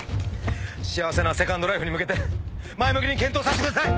幸せなセカンドライフに向けて前向きに検討させてください！